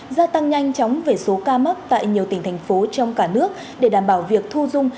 gia tăng nhanh chóng về số ca mắc tại nhiều tỉnh thành phố trong cả nước để đảm bảo việc thu dung